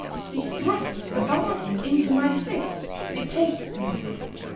He thrusts the bargain into my fist (dictates to me).